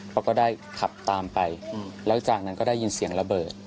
เขาก็ได้ขับตามไปแล้วจากนั้นก็ได้ยินเสียงระเบิด